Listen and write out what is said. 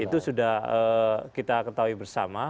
itu sudah kita ketahui bersama